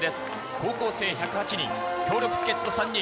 高校生１０８人、強力助っと３人。